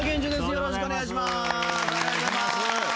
よろしくお願いします。